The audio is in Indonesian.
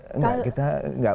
tidak kita bawa tour guide